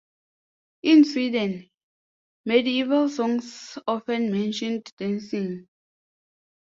In Sweden, medieval songs often mentioned dancing.